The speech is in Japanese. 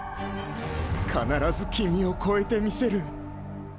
必ず君をこえてみせる。